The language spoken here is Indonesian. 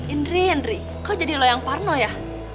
indri indri kok jadi lo yang parno ya